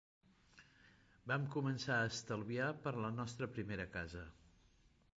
Vam començar a estalviar per a la nostra primera casa.